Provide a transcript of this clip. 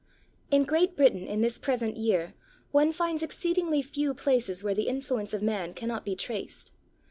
In Great Britain in this present year one finds exceedingly few places where the influence of man cannot be traced.